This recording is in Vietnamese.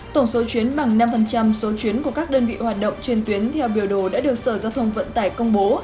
tổng số chuyến bằng năm số chuyến của các đơn vị hoạt động trên tuyến theo biểu đồ đã được sở giao thông vận tải công bố